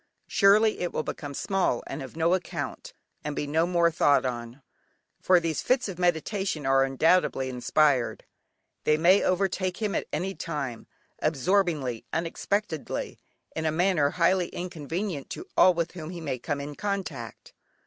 Surely it will become small and of no account, and be no more thought on! For these fits of meditation are undoubtedly inspired! They may overtake him at any time, absorbingly, unexpectedly, in a manner highly inconvenient to all with whom he may come in contact.